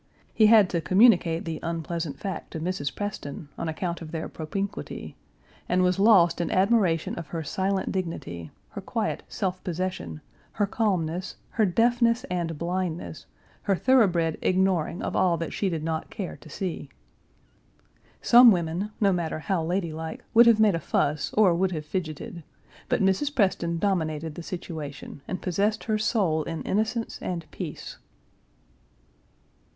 He had to communicate the unpleasant fact to Page 375 Mrs. Preston, on account of their propinquity, and was lost in admiration of her silent dignity, her quiet self possession, her calmness, her deafness and blindness, her thoroughbred ignoring of all that she did not care to see. Some women, no matter how ladylike, would have made a fuss or would have fidgeted, but Mrs. Preston dominated the situation and possessed her soul in innocence and peace.